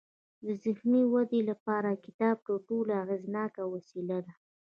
د ذهني ودې لپاره کتاب تر ټولو اغیزناک وسیله ده.